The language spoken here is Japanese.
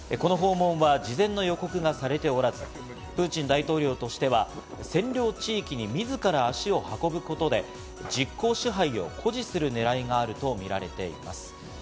この訪問は事前の予告がされておらず、プーチン大統領としては占領地域に自ら足を運ぶことで実効支配を誇示する狙いがあるとみられています。